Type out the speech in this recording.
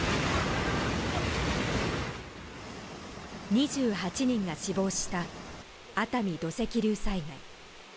２８人が死亡した熱海土石流災害。